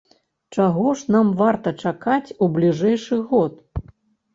Чаго ж нам варта чакаць у бліжэйшы год?